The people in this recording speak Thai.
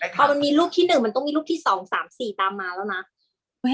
พอมันมีรูปที่หนึ่งมันต้องมีรูปที่สองสามสี่ตามมาแล้วนะ